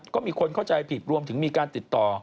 ก็มีคนเข้าใจผิดรวมถึงมีการติดต่อ